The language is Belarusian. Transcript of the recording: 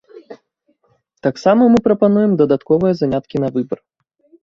Таксама мы прапануем дадатковыя заняткі на выбар.